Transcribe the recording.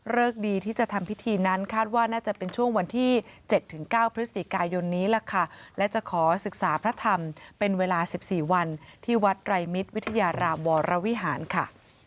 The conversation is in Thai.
ดีที่จะทำพิธีนั้นคาดว่าน่าจะเป็นช่วงวันที่๗๙พฤศจิกายนนี้ล่ะค่ะและจะขอศึกษาพระธรรมเป็นเวลา๑๔วันที่วัดไรมิตรวิทยารามวรวิหารค่ะ